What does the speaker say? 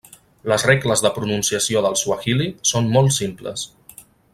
Les regles de pronunciació del suahili són molt simples.